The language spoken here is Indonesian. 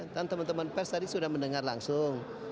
dan teman teman pers tadi sudah mendengar langsung